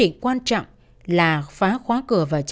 điện thoại không liên lạc được